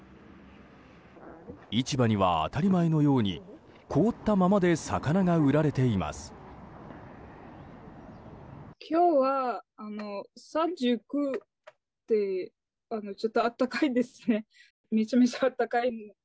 市場には当たり前のように凍ったままで魚が売られています。